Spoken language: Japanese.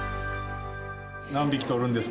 何匹捕るんですか？